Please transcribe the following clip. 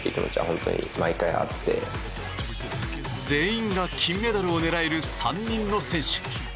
全員が金メダルを狙える３人の選手。